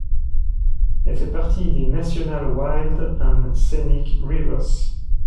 Elle fait partie des National Wild and Scenic Rivers.